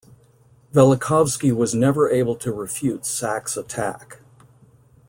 Velikovsky was never able to refute Sachs' attack.